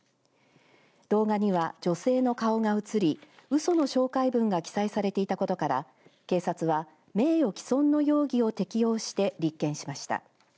動画には女性の顔が映りうその紹介文が記載されていたことから警察は名誉毀損の容疑を適用して立件しました。